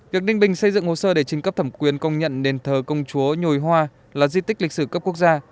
việc ninh bình xây dựng hồ sơ để trình cấp thẩm quyền công nhận nền thờ công chúa nhồi hoa là di tích lịch sử cấp quốc gia